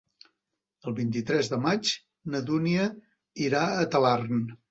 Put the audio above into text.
El vint-i-tres de maig na Dúnia irà a Talarn.